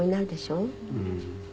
うん。